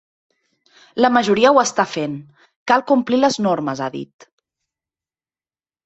La majoria ho està fent, cal complir les normes, ha dit.